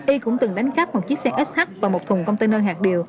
y cũng từng đánh cắp một chiếc xe sh và một thùng container hạt điều